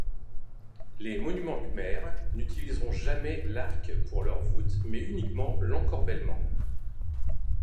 Les monuments khmers n'utiliseront jamais l'arc pour leurs voûtes mais uniquement l'encorbellement.